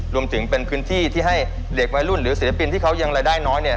รวมถึงเป็นพื้นที่ที่ให้เด็กวัยรุ่นหรือศิลปินที่เขายังรายได้น้อยเนี่ย